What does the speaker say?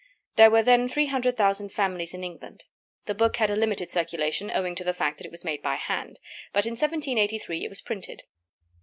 There were then three hundred thousand families in England. The book had a limited circulation, owing to the fact that it was made by hand; but in 1783 it was printed.